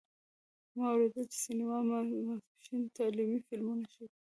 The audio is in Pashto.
ما اوریدلي چې سینما ماسپښین تعلیمي فلمونه ښیې